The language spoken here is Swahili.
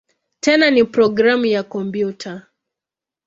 Tena ni programu ya kompyuta.